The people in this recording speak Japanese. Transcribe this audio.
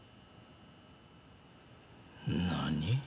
何？